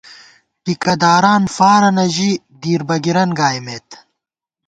ٹِکہ داران فارَنہ ژِی ، دیر بَگِرَن گائیمېت